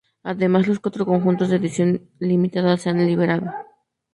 Además, los cuatro conjuntos de edición limitada se han liberado.